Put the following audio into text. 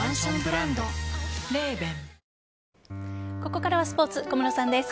ここからはスポーツ小室さんです。